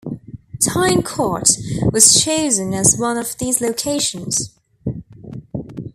Tyne Cot was chosen as one of these locations.